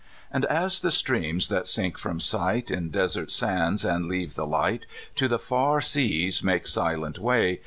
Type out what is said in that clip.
And as the streams that sink from sight In desert sands, and leave the light, To the far seas make silent way.